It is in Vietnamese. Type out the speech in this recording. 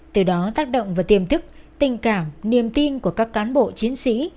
từ đó tác động và tiềm thức tình cảm niềm tin của các cán bộ chiến sĩ